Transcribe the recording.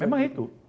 ya memang itu